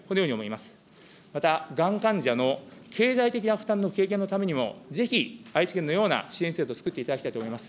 また、がん患者の経済的な負担の軽減のためにも、ぜひ愛知県のような支援制度つくっていただきたいと思います。